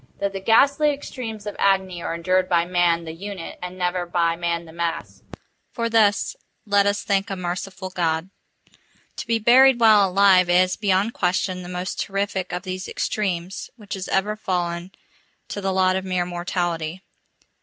That the ghastly extremes of agony are endured by man the unit, and never by man the mass——for this let us thank a merciful God! To be buried while alive is, beyond question, the most terrific of these extremes which has ever fallen to the lot of mere mortality.